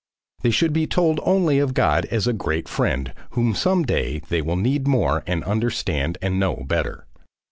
They should be told only of God as a Great Friend whom some day they will need more and understand and know better.